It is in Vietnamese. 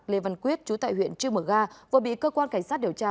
lê văn quyết chú tại huyện trư mở ga vừa bị cơ quan cảnh sát điều tra